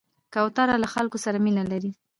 کوتره له خلکو سره مینه لري.